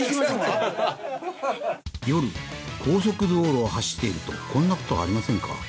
「夜高速道路を走ってるとこんなことありませんか？」